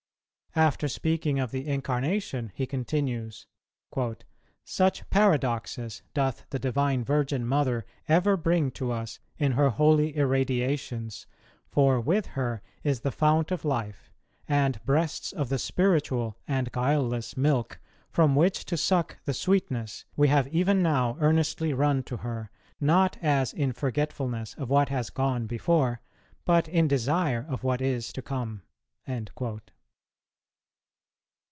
After speaking of the Incarnation, he continues, "Such paradoxes doth the Divine Virgin Mother ever bring to us in her holy irradiations, for with her is the Fount of Life, and breasts of the spiritual and guileless milk; from which to suck the sweetness, we have even now earnestly run to her, not as in forgetfulness of what has gone before, but in desire of what is to come."